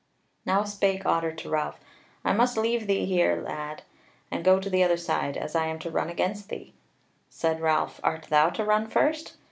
Now spake Otter to Ralph: "I must leave thee here, lad, and go to the other side, as I am to run against thee." Said Ralph: "Art thou to run first?"